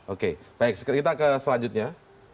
oke baik kita ke selanjutnya